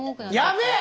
やべえ！